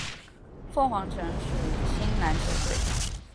凤凰城水星篮球队。